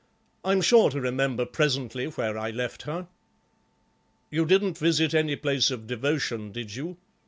I'm sure to remember presently where I left her." "You didn't visit any place of devotion, did you?